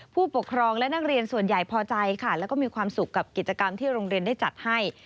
ผู้ปกครองและนักเรียนส่วนใหญ่พอใจค่ะแล้วก็มีความสุขกับกิจกรรมที่โรงเรียนได้จัดให้